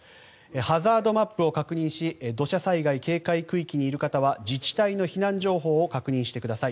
ハザードマップを確認し土砂災害警戒区域にいる方は自治体の避難情報を確認してください。